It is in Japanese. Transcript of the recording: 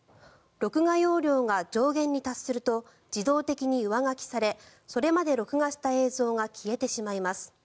録画容量が上限に達すると自動的に上書きされそれまで録画した映像が消えてしまいます。